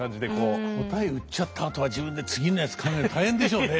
答え売っちゃったあとは自分で次のやつ考えるの大変でしょうね。